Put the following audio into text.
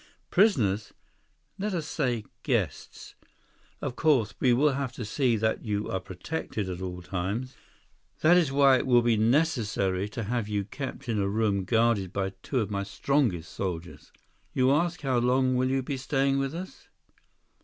"Prisoners? Let us say 'guests.' Of course, we will have to see that you are protected at all times. That is why it will be necessary to have you kept in a room guarded by two of my strongest soldiers. You ask how long will you be staying with us?"